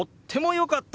良かった。